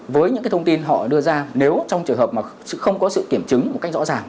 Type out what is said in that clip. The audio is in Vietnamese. với những thông tin họ đưa ra nếu trong trường hợp mà không có sự kiểm chứng một cách rõ ràng